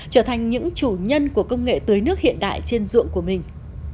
trở thành những chủ nhân của công nghệ tưới nước hiện đại trên ruộng của mình